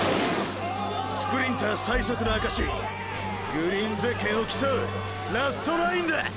スプリンター最速の証グリーンゼッケンを競うラストラインだ！！